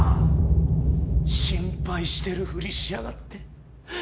心配してるふりしやがって。